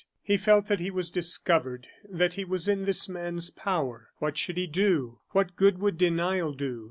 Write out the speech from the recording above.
He felt that he was discovered that he was in this man's power. What should he do? What good would denial do?